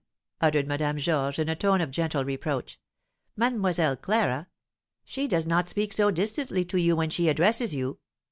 uttered Madame Georges, in a tone of gentle reproach. "Mlle. Clara? She does not speak so distantly to you when she addresses you."